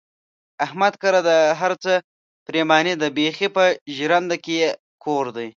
احمد کره د هر څه پرېماني ده، بیخي په ژرنده کې یې کور دی.